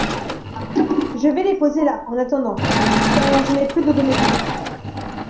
Je vais les poser là, en attendant … car je n'ai plus de domestiques …